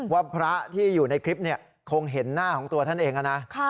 ว่าพระที่อยู่ในคลิปคงเห็นหน้าของตัวท่านเองนะ